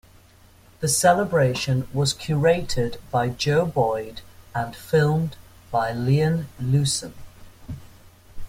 The celebration was curated by Joe Boyd and filmed by Lian Lunson.